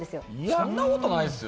そんなことないですよ。